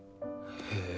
へえ。